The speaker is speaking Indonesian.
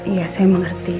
iya saya mengerti